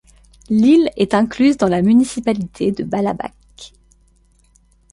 L'île est incluse dans la municipalité de Balabac.